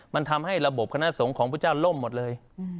มันทำให้ระบบคณะสงฆ์ของพระเจ้าล่มหมดเลย